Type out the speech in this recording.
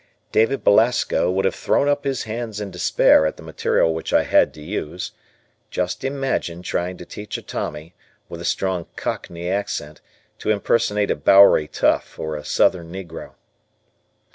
David Belasco would have thrown up his hands in despair at the material which I had to use. Just imagine trying to teach a Tommy, with a strong cockney accent, to impersonate a Bowery Tough or a Southern Negro.